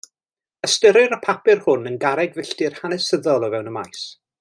Ystyrir y papur hwn yn garreg filltir hanesyddol o fewn y maes.